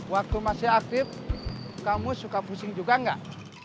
waktu masih aktif kamu suka pusing juga enggak